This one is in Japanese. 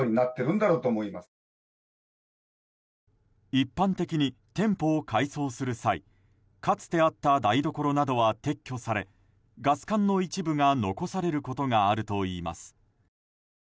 一般的に、店舗を改装する際かつてあった台所などは撤去されガス管の一部が残されることがあるといいます。